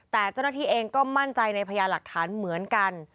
แต่เจ้าหน้าที่เองก็มั่นใจในพญาหลักฐานเหมือนกัน